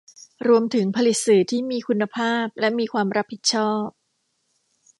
รวมถึงผลิตสื่อที่มีคุณภาพและมีความรับผิดชอบ